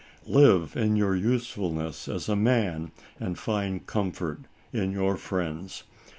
Live in your usefulness as a man, and find comfort in your friends.